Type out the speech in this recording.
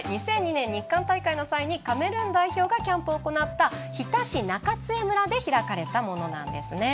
２００２年日韓大会の際にカメルーン代表がキャンプを行った日田市中津江村で開かれたものなんですね。